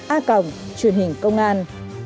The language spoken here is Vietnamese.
a cộng truyền hình công an